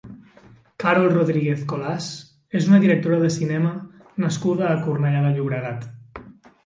Carol Rodríguez Colás és una directora de cinema nascuda a Cornellà de Llobregat.